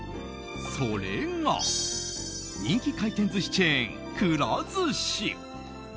それが人気回転寿司チェーンくら寿司。